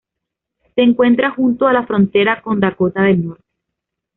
Se encuentra junto a la frontera con Dakota del Norte.